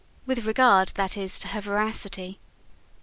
With regard, that is, to her veracity.